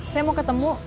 saya mau ketemu